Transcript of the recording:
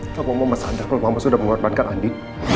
tapi mama sadar kalau mama sudah mengorbankan andi